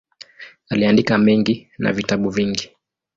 Aliandika mengi na vitabu vingi.